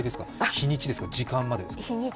日にちですか、時間まで？